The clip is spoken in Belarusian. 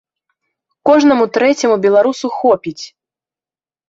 Кожнаму трэцяму беларусу хопіць!